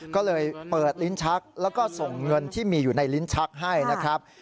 ก็เลยเปิดลิ้นชักแล้วก็ส่งเงินที่มีอยู่ในลิ้นชักให้นะครับ